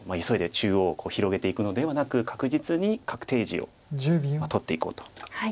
急いで中央広げていくのではなく確実に確定地を取っていこうと。